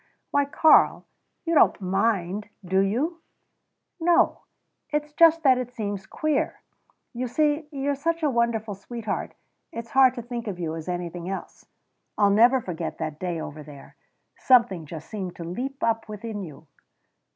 "Why, Karl, you don't mind, do you?" "No, it's just that it seems queer. You see you're such a wonderful sweetheart, it's hard to think of you as anything else. I'll never forget that day over there. Something just seemed to leap up within you.